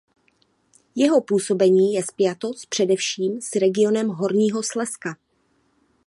Jeho působení je spjato především s regionem Horního Slezska.